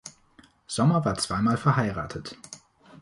Sommer war zwei mal verheiratet.